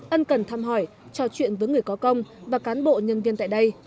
ân cần thăm hỏi trò chuyện với người có công và cán bộ nhân viên tại đây